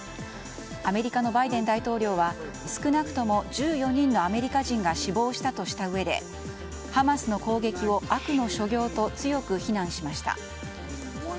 アメリカのバイデン大統領は少なくとも１４人のアメリカ人が死亡したとしたうえでハマスの攻撃を悪の所業と強く非難しました。